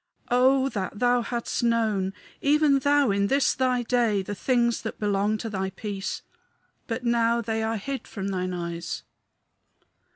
"Oh, that thou hadst known even thou in this thy day the things that belong to thy peace! But now they are hid from thine eyes."